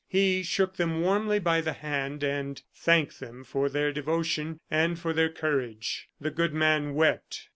He shook them warmly by the hand, and thanked them for their devotion and for their courage. The good man wept.